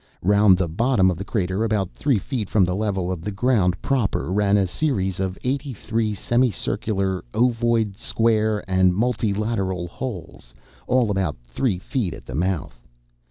Round the bottom of the crater, about three feet from the level of the ground proper, ran a series of eighty three semi circular ovoid, square, and multilateral holes, all about three feet at the mouth.